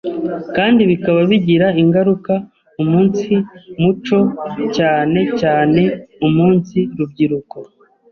kandi bikaba bigira ingaruka umunsi muco cyane cyane umunsi rubyiruko.